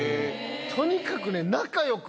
とにかくね。